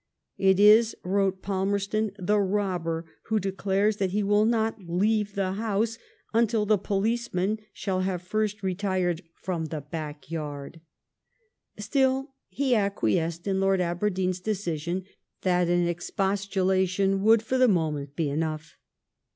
It is," wrote Palmerston, *' the robber who declares that he will not leave the house until the policeman shall have first retired from the 154 LIFE OF VJ8C0UNT PALMEB8T0N. back yard "; still he acquiesced in Lord Aberdeen's deci* sion that an expostulation would for the moment be enough.